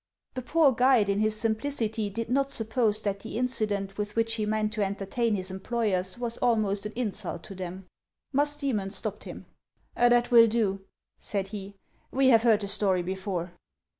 The poor guide, in his simplicity, did not suppose that the incident with which he meant to entertain his em ployers was almost an insult to them. Musdoemou stopped him. " That will do," said he ;" we have heard the story before."